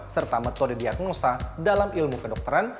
serta metode diagnosa dalam ilmu kedokteran